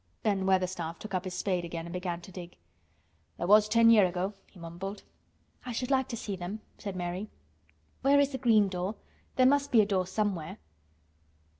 Ben Weatherstaff took up his spade again and began to dig. "There was ten year' ago," he mumbled. "I should like to see them," said Mary. "Where is the green door? There must be a door somewhere."